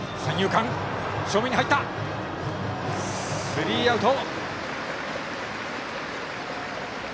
スリーアウト。